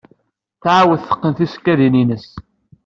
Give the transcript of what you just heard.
Tɛawed teqqen tisekkadin-nnes.